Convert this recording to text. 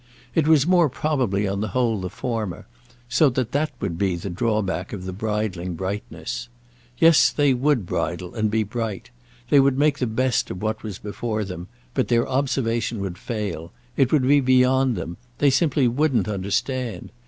It was more probably on the whole the former; so that that would be the drawback of the bridling brightness. Yes, they would bridle and be bright; they would make the best of what was before them, but their observation would fail; it would be beyond them; they simply wouldn't understand.